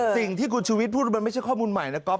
สิ่งที่คุณชุวิตพูดมันไม่ใช่ข้อมูลใหม่นะก๊อ